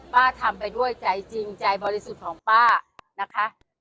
ทำไปด้วยใจจริงใจบริสุทธิ์ของป้านะคะ